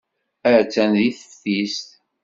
Attan deg teftist.